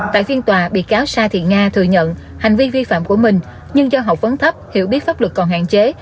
tại phiên tòa bị cáo sa thị nga thừa nhận hành vi vi phạm của mình nhưng do học vấn thấp hiểu biết pháp luật còn hạn chế